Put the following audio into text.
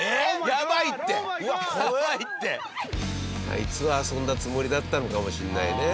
あいつは遊んだつもりだったのかもしれないね。